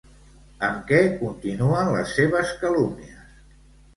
Amb què continuen les seves calúmnies?